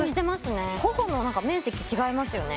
ほほの面積違いますよね